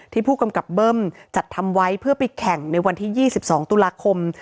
ผู้กำกับเบิ้มจัดทำไว้เพื่อไปแข่งในวันที่๒๒ตุลาคม